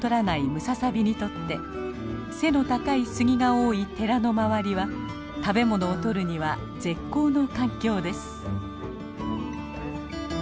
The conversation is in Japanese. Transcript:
ムササビにとって背の高いスギが多い寺の周りは食べ物をとるには絶好の環境です。